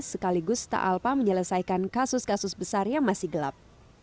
sekaligus ta'alpa menyelesaikan kasus kasus besar yang masih gelap